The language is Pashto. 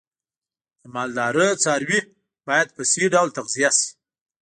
د مالدارۍ څاروی باید په صحی ډول تغذیه شي.